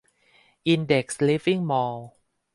อินเด็กซ์ลิฟวิ่งมอลล์